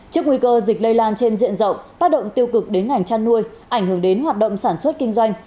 trước nguy cơ dịch lây lan trên diện rộng tác động tiêu cực đến ngành chăn nuôi ảnh hưởng đến hoạt động sản xuất kinh doanh